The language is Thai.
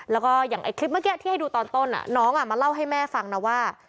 แล้วก็อย่างคลิปเมื่อกี้ที่ให้ดูตอนต้นน้องมาเล่าให้แม่ฟังนะว่า